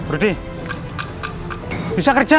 rudy bisa kerja gak